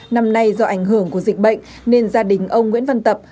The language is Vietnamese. năm nay do ảnh hưởng của dịch bệnh nên gia đình ông nguyễn văn tập